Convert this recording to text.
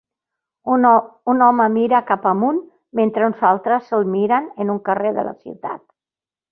Un home mira cap amunt mentre uns altres se'l miren en un carrer de la ciutat.